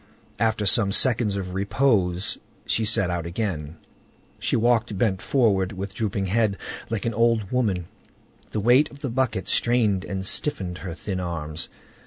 After some seconds of repose she set out again. She walked bent forward, with drooping head, like an old woman; the weight of the bucket strained and stiffened her thin arms.